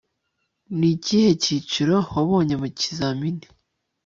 Ni ikihe cyiciro wabonye mu kizamini